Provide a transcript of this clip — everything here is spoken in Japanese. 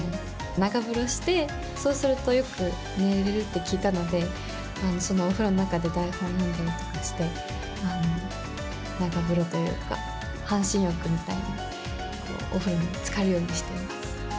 長風呂して、そうするとよく寝れるって聞いたので、そのお風呂の中で台本読んだりとかして、長風呂というか、半身浴みたいにお風呂につかるようにしています。